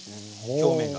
表面が。